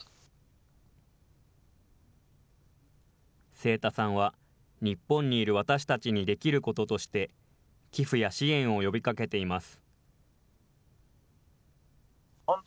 清田さんは、日本にいる私たちにできることとして、寄付や支援を呼びかけています。